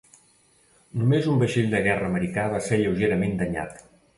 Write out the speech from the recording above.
Només un vaixell de guerra americà va ser lleugerament danyat.